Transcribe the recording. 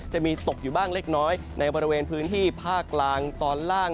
จะมีตกอยู่บ้างเล็กน้อยในบริเวณพื้นที่ภาคกลางตอนล่าง